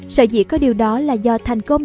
sợi dĩ có điều đó là do thành công